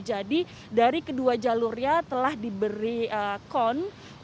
jadi dari kedua jalurnya telah diberi konflik